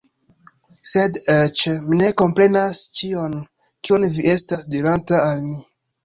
Sed eĉ... Mi ne komprenas ĉion kion vi estas diranta al mi